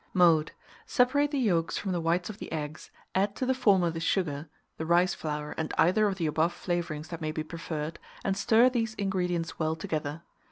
Mode. Separate the yolks from the whites of the eggs, add to the former the sugar, the rice flour, and either of the above flavourings that may be preferred, and stir these ingredients well together.